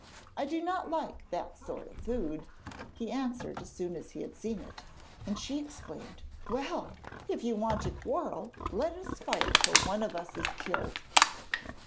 'I do not like that sort of food,' he answered as soon as he had seen it; and she exclaimed, 'Well! if you want to quarrel let us fight till one of us is killed.'